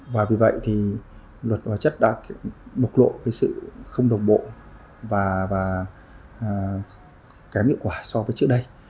và vì vậy thì luật hóa chất đã bộc lộ sự không đồng bộ và kém hiệu quả so với trước đây